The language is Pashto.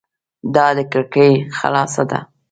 دا کړکي خلاصه ده